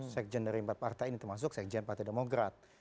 sekjen dari empat partai ini termasuk sekjen partai demokrat